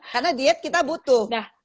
karena diet kita butuh